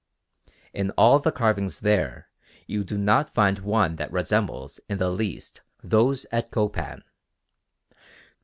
In all the carvings there you do not find one that resembles in the least those at Copan.